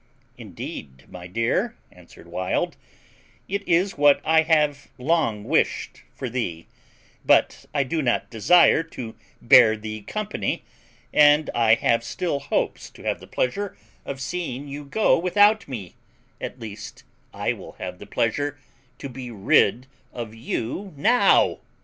"Indeed, my dear," answered Wild, "it is what I have long wished for thee; but I do not desire to bear thee company, and I have still hopes to have the pleasure of seeing you go without me; at least I will have the pleasure to be rid of you now."